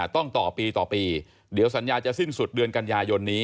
ต้องต่อปีต่อปีเดี๋ยวสัญญาจะสิ้นสุดเดือนกันยายนนี้